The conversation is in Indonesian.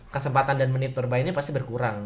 kesempatan dan menit bermainnya pasti berkurang